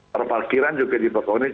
perpalkiran juga di papua ini